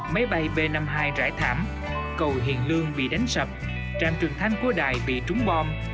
máy bay b năm mươi hai rải thảm cầu hiện lương bị đánh sập trạm trường thanh của đài bị trúng bom